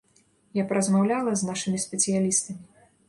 Я паразмаўляла з нашымі спецыялістамі.